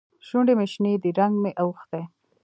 شونډې مې شنې دي؛ رنګ مې اوښتی.